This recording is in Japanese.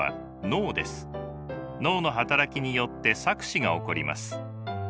脳の働きによって錯視が起こります。